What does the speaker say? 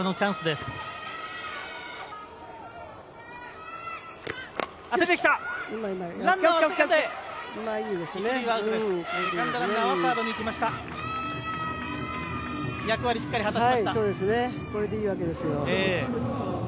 これでいいわけですよ。